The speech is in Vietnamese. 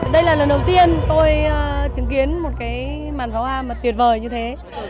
đây là lần đầu tiên tôi chứng kiến một cái màn pháo hoa mà tuyệt vời như thế